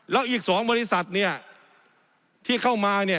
แล้วอีก๒บริษัทที่เข้ามา